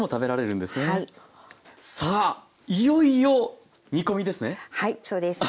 さあいよいよ煮込みですね？